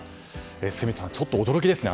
住田さん、ちょっと驚きですね。